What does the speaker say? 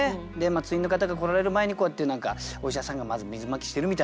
通院の方が来られる前にこうやってお医者さんがまず水まきしてるみたいな。